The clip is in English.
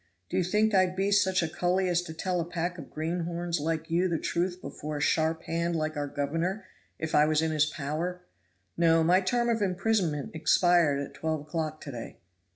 Do you think I'd be such a cully as to tell a pack of greenhorns like you the truth before a sharp hand like our governor, if I was in his power; no, my term of imprisonment expired at twelve o'clock to day."